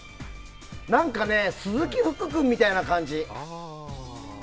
なんかね、鈴木福君みたいな感じ。